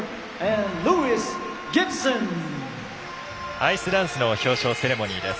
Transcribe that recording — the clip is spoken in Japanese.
アイスダンスの表彰セレモニーです。